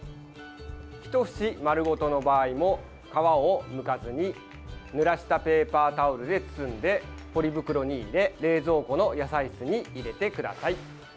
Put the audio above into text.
一節丸ごとの場合も皮をむかずにぬらしたペーパータオルで包んでポリ袋に入れ冷蔵庫の野菜室に入れてください。